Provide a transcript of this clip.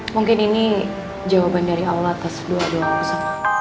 mungkin ini jawaban dari allah atas dua duanya